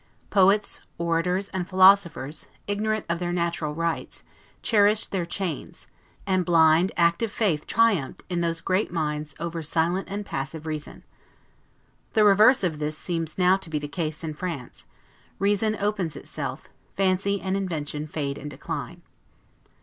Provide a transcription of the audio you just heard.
Poets, Orators, and Philosophers, ignorant of their natural rights, cherished their chains; and blind, active faith triumphed, in those great minds, over silent and passive reason. The reverse of this seems now to be the case in France: reason opens itself; fancy and invention fade and decline.